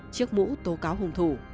chiếc mũ tố cáo hùng thủ